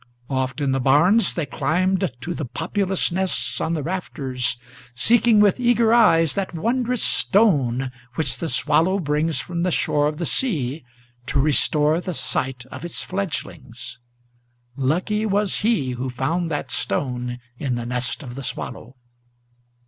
Oft in the barns they climbed to the populous nests on the rafters, Seeking with eager eyes that wondrous stone, which the swallow Brings from the shore of the sea to restore the sight of its fledglings; Lucky was he who found that stone in the nest of the swallow!